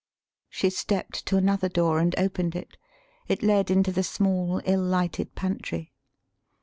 She stepped to another door and opened it. [It led into the small, ill lighted pantry.